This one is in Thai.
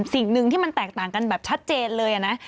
สิ่งหนึ่งที่มันแตกต่างกันแบบชัดเจนเลยนะ